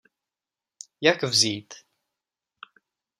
Jak vzít?